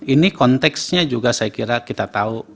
ini konteksnya juga saya kira kita tahu